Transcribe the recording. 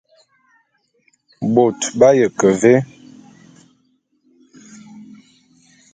Bôt b'aye ke vé?